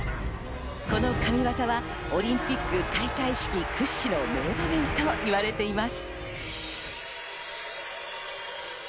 この神業はオリンピック開会式屈指の名場面と言われています。